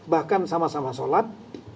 bahkan sama sama sholat